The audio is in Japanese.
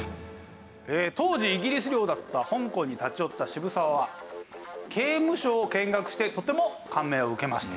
当時イギリス領だった香港に立ち寄った渋沢は刑務所を見学してとても感銘を受けました。